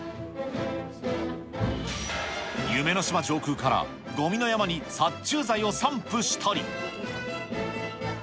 夢の島上空からごみの山に殺虫剤を散布したり。